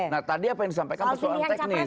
nah tadi apa yang disampaikan persoalan teknis